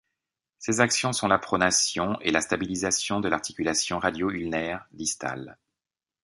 Ses actions sont la pronation et la stabilisation de l'articulation radio-ulnaire distale.